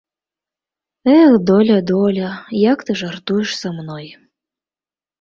Эх, доля, доля, як ты жартуеш са мной.